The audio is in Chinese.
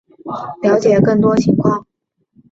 了解更多情况